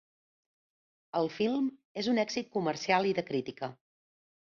El film és un èxit comercial i de crítica.